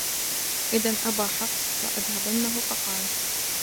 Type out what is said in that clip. إذًا أَبَا حَفْصٍ لَأَذْهَبَنَّهْ فَقَالَ